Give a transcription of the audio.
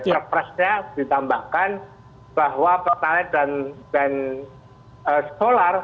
perpresnya ditambahkan bahwa peta led dan solar